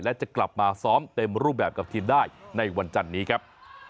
และจะกลับมาซ้อมเต็มรูปแบบกับทีมได้ในวันจันนี้ครับ